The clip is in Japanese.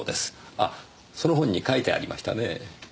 あその本に書いてありましたね。